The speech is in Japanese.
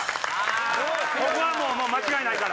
ここは間違いないから。